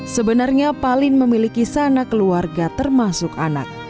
sebenarnya paling memiliki sana keluarga termasuk anak